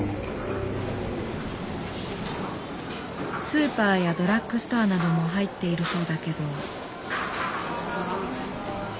スーパーやドラッグストアなども入っているそうだけど。